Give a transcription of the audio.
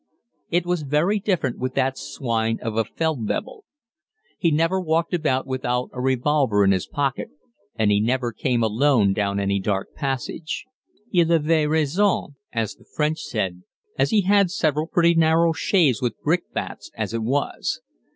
It was very different with that swine of a Feldwebel. He never walked about without a revolver in his pocket, and he never came alone down any dark passage; "et il avait raison," as the French said, as he had several pretty narrow shaves with brickbats as it was.